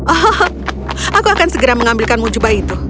oh aku akan segera mengambilkanmu jubah itu